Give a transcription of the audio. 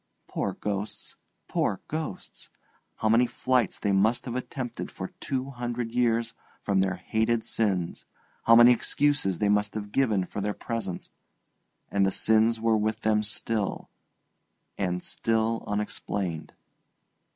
Poor ghosts, poor ghosts! how many flights they must have attempted for two hundred years from their hated sins, how many excuses they must have given for their presence, and the sins were with them still and still unexplained.